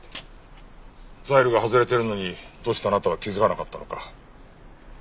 ザイルが外れているのにどうしてあなたは気づかなかったのか。